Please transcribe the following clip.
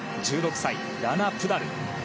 １６歳、ラナ・プダル。